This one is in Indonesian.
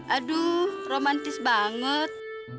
aduh romantis banget